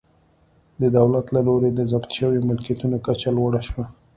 د دولت له لوري د ضبط شویو ملکیتونو کچه لوړه شوه.